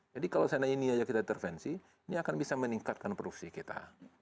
jadi kalau ini saja kita intervensi ini akan bisa meningkatkan produksi kita